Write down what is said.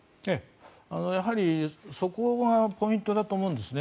やはりそこはポイントだと思うんですね。